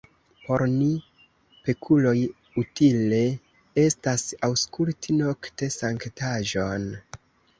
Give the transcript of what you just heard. Por ni, pekuloj, utile estas aŭskulti nokte sanktaĵon!